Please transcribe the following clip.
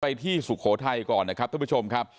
ที่สุโขทัยก่อนนะครับท่านผู้ชมครับ